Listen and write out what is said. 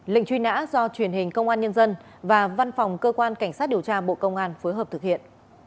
lệnh truy nã do truyền hình công an nhân dân và văn phòng cơ quan cảnh sát điều tra bộ công an phối hợp thực hiện